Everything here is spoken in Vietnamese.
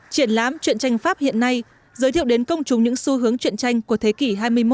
triển lãm chuyện tranh pháp hiện nay giới thiệu đến công chúng những xu hướng chuyện tranh của thế kỷ hai mươi một